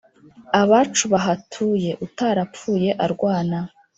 Abacu bahatuye Utaraphuye arwana